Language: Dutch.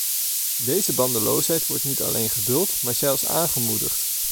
Deze bandeloosheid wordt niet alleen geduld maar zelfs aangemoedigd.